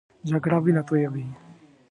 جګړه وینه تویوي